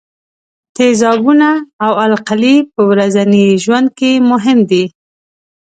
تیزابونه او القلي په ورځني ژوند کې مهم دي.